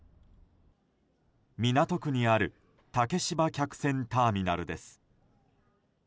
港区にある竹芝客船ターミナルです。